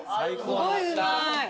すごいうまい。